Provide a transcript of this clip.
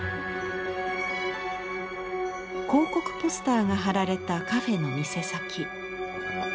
広告ポスターが張られたカフェの店先。